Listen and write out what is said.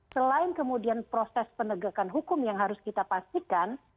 selain kemudian proses penegakan hukum yang harus kita pastikan